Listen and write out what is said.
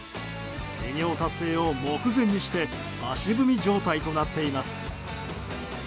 偉業達成を目前にして足踏み状態となっています。